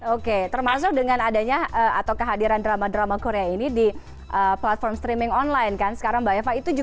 oke termasuk dengan adanya atau kehadiran drama drama korea ini di platform streaming online kan sekarang mbak eva